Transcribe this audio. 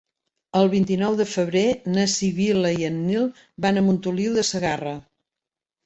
El vint-i-nou de febrer na Sibil·la i en Nil van a Montoliu de Segarra.